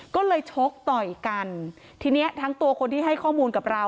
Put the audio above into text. ก็เลยชกต่อยกันทีเนี้ยทั้งตัวคนที่ให้ข้อมูลกับเรา